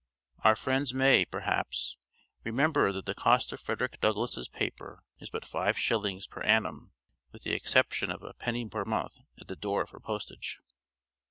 Our friends may, perhaps, remember that the cost of Frederick Douglass' paper is but five shillings per annum (with the exception of a penny per month at the door for postage.)